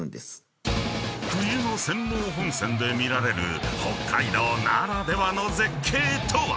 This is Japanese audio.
［冬の釧網本線で見られる北海道ならではの絶景とは？］